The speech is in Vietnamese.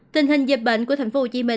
tình hình dịch bệnh của tp hcm